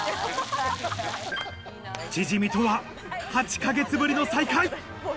チヂミとは８か月ぶりの再会！